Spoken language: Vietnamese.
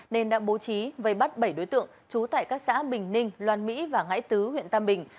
nên đã bố trí vây bắt bảy đối tượng trú tại các xã bình ninh loan mỹ và ngãi tứ huyện tam bình